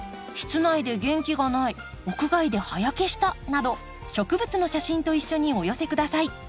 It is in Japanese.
室内で元気がない屋外で葉焼けしたなど植物の写真と一緒にお寄せ下さい。